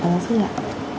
cảm ơn các giáo sư